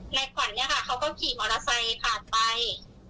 นายขวัญเนี่ยค่ะเขาก็ขี่มอเตอร์ไซค์ผ่านไป